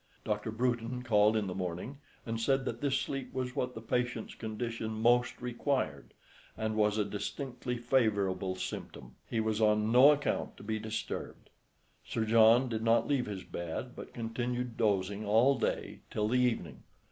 Dr. Bruton called in the morning, and said that this sleep was what the patient's condition most required, and was a distinctly favourable symptom; he was on no account to be disturbed. Sir John did not leave his bed, but continued dozing all day till the evening.